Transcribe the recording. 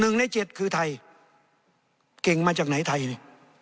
๑ใน๗คือไทยเก่งมาจากไหนไทยเนี่ย